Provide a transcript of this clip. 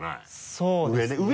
そうです。